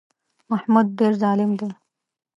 محمود ډېر ظالم دی.